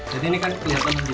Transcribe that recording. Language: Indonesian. jadi ini kan kelihatan langitnya